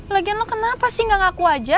lagian lo kenapa sih gak ngaku aja